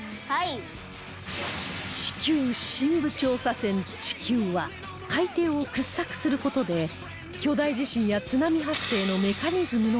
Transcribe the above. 地球深部調査船ちきゅうは海底を掘削する事で巨大地震や津波発生のメカニズムの解明